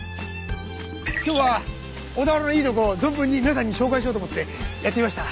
今日は小田原のいいとこを存分に皆さんに紹介しようと思ってやって来ました。